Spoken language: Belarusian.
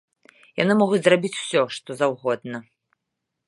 Яны могуць зрабіць усё, што заўгодна.